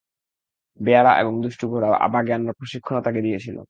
বেয়াড়া এবং দুষ্ট ঘোড়া বাগে আনার প্রশিক্ষণও তাকে দিয়েছিল।